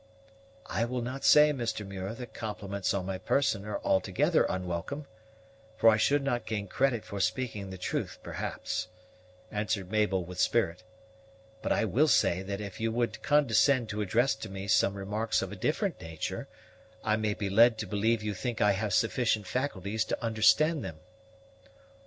"I will not say, Mr. Muir, that compliments on my person are altogether unwelcome, for I should not gain credit for speaking the truth, perhaps," answered Mabel with spirit; "but I will say that if you would condescend to address to me some remarks of a different nature, I may be led to believe you think I have sufficient faculties to understand them."